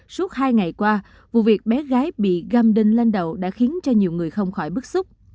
suốt hai ngày qua vụ việc bé gái bị găm đinh lên đầu đã khiến cho nhiều người không khỏi bức xúc